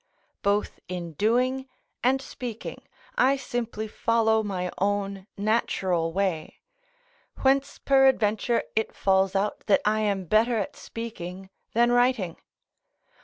Both in doing and speaking I simply follow my own natural way; whence, peradventure, it falls out that I am better at speaking than writing.